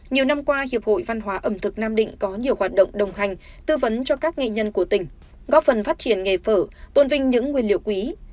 nhiều năm qua hiệp hội văn hóa ẩm thực nam định có nhiều hoạt động đồng hành tư vấn cho các nghệ nhân của tỉnh góp phần phát triển nghề phở tôn vinh những nguyên liệu quý